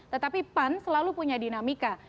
tetapi pan selalu punya dinamika